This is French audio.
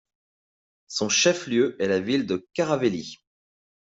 Son chef-lieu est la ville de Caravelí.